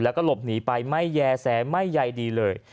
แล้วก็หลบหนีไปไม่แย่แสไม่ใยดีเลย